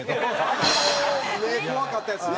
あそこ目怖かったですね。